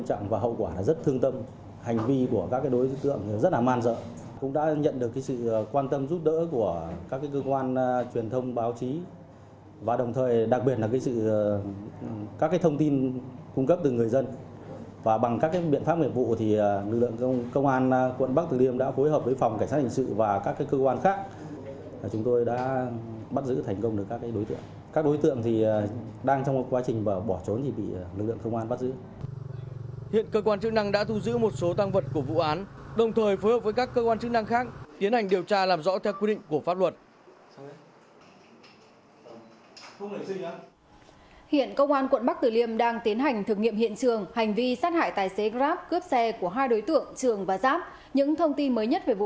chúng tôi đã bắt giữ thành công được các đối tượng các đối tượng thì đang trong một quá trình bỏ trốn vì lực lượng công an bắt giữ